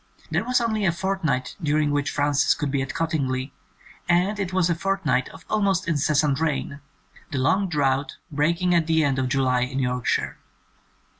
There was only a fortnight during which Frances could be at Cottingley, and it was a fortnight of almost incessant rain, the long drought breaking at the end of July in Yorkshire.